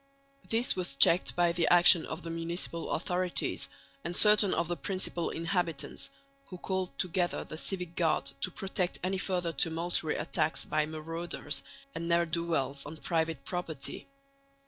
This was checked by the action of the municipal authorities and certain of the principal inhabitants, who called together the civic guard to protect any further tumultuary attacks by marauders and ne'er do wells on private property.